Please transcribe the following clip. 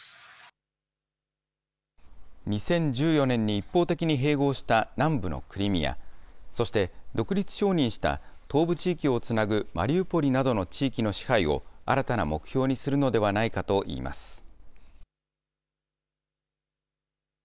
２０１４年に一方的に併合した南部のクリミア、そして独立承認した東部地域をつなぐマリウポリなどの地域の支配を新たな目標にするのではないかといいます。